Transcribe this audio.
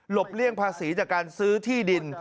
เลี่ยงภาษีจากการซื้อที่ดิน